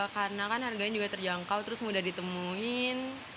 karena kan harganya juga terjangkau terus mudah ditemuin